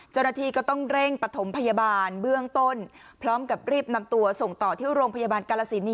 เจ้าหน้าที่ก็ต้องเร่งปฐมพยาบาลเบื้องต้นพร้อมกับรีบนำตัวส่งต่อที่โรงพยาบาลกาลสินี